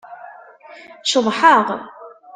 Ceḍḥeɣ.